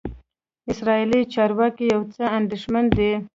اسرائیلي چارواکي یو څه اندېښمن دي.